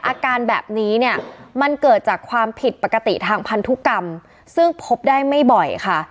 อาการแบบนี้เนี่ยมันเกิดจากความผิดปกติทางพันธุกรรมซึ่งพบได้ไม่บ่อยค่ะ